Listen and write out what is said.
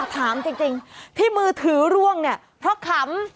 ถามจริงที่มือถือร่วงเนี่ยเพราะขำ